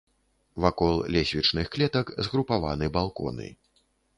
Вакол лесвічных клетак згрупаваны балконы.